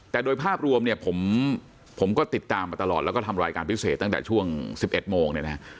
แต่โดยภาพรวมเนี่ยผมก็ติดตามมาตลอดแล้วก็ทำรายการพิเศษตั้งแต่ช่วง๑๑โมงเนี่ยนะ